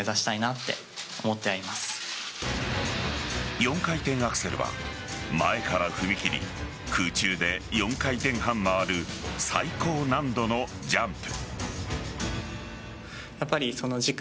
４回転アクセルは前から踏み切り空中で４回転半回る最高難度のジャンプ。